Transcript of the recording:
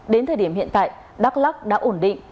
đến thời điểm hiện tại đắk lắc đã ổn định